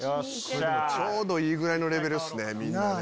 ちょうどいいぐらいのレベルっすねみんな。